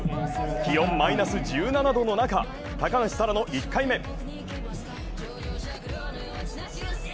気温マイナス１７度の中、高梨沙羅の１回目。